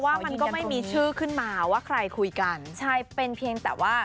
ว่ามันก็ไม่มีชื่อขึ้นมาว่าใครคุยกันใช่เป็นเพียงแต่ว่า